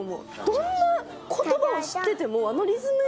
どんな言葉を知っててもあの。